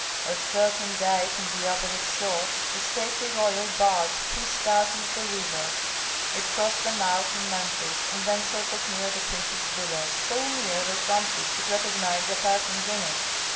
A certain day from the opposite shore a stately royal barge pushed out into the river; it crossed the Nile from Memphis, and then circled near the prince's villa, so near that Rameses could recognize the persons in it.